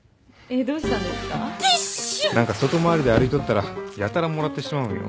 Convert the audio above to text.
何か外回りで歩いとったらやたらもらってしまうんよ。